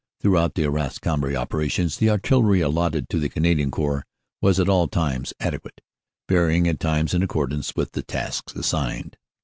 (Throughout the Arras Cambrai operations the Artillery allotted to the Canadian Corps was at all times adequate, varying at times in accordance with the tasks assigned.